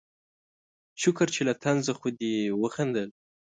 شکر چې له طنزه خو دې وخندل